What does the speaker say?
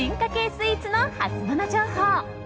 スイーツのハツモノ情報。